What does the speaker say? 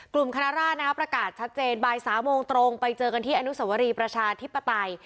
คณะราชประกาศชัดเจนบ่าย๓โมงตรงไปเจอกันที่อนุสวรีประชาธิปไตย